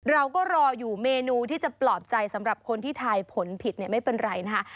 เราก็รออยู่เมนูที่จะปลอบใจสำหรับคนที่ทายผลผิดเนี่ยไม่เป็นไรนะคะ